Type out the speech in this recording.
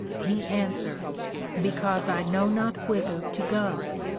He answered, Because I know not whither to go.